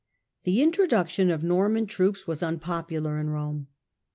The intro duction of Norman troops was unpopular in Rome.